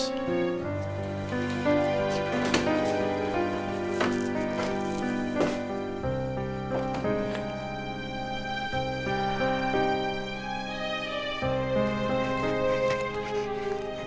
bapak mau mandi